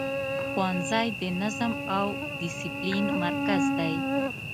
ښوونځی د نظم او دسپلین مرکز دی.